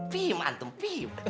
fihim antum fihim